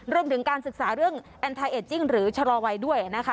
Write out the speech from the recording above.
รวมถึงการศึกษาเรื่องแอนไทเอจจิ้งหรือชะลอวัยด้วยนะคะ